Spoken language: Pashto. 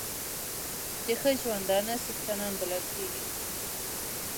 د ښه ژوندانه څښتنان بلل کېږي.